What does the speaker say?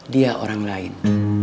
dia orang lain